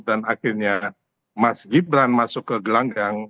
dan akhirnya mas gibran masuk ke gelanggang